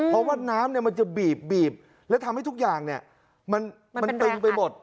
เพราะว่าน้ำมันจะบีบและทำให้ทุกอย่างมันตึงไปหมด